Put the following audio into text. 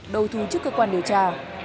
đầu thu chức cơ quan điều tra